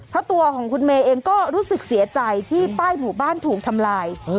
เพราะตัวของคุณเมย์เองก็รู้สึกเสียใจที่ป้ายหมู่บ้านถูกทำลาย